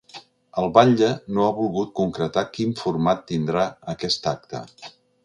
El batlle no ha volgut concretar quin format tindrà aquest acte.